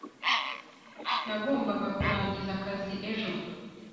nagombaga kurangiza akazi ejo